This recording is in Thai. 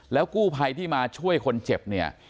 กู้ภัยที่มาช่วยคนเจ็บเนี่ย